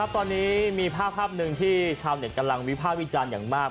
ตอนนี้มีภาพหนึ่งที่ชาวเน็ตกำลังวิภาควิจารณ์อย่างมาก